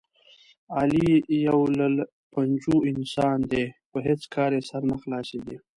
علي یو للوپنجو انسان دی، په هېڅ کار یې سر نه خلاصېږي.